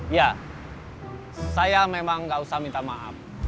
ya saya memang nggak usah minta maaf